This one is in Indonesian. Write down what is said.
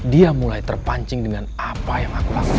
dia mulai terpancing dengan apa yang aku lakukan